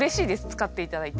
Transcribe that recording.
使っていただいて。